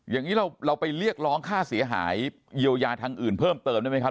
อย่างนี้เราไปเรียกร้องค่าเสียหายเยียวยาทางอื่นเพิ่มเติมได้ไหมครับ